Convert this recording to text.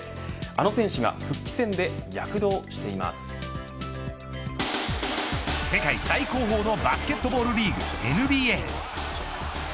あの選手が世界最高峰のバスケットボールリーグＮＢＡ。